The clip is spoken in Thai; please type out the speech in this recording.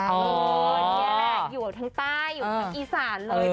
นี่แหละอยู่ทั้งใต้อยู่ทั้งอีสานเลยนะคะ